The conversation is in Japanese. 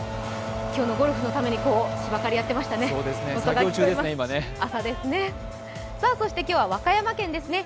今日のゴルフのために芝刈りやってますね。